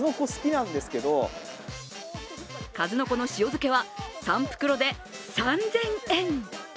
数の子の塩漬けは、３袋で３０００円。